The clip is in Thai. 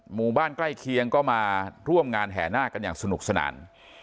หมู่บ้านใกล้เคียงก็มาร่วมงานแห่นาคกันอย่างสนุกสนาน